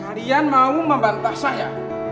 kalian mau membantah saya